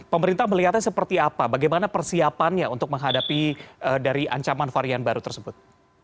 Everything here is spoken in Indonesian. pemerintah melihatnya seperti apa bagaimana persiapannya untuk menghadapi dari ancaman varian baru tersebut